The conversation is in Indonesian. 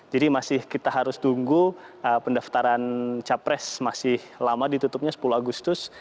jadi masih kita harus tunggu pendaftaran capres masih lama ditutupnya sepuluh agustus